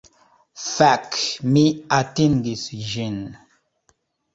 Fek! Mi atingis ĝin!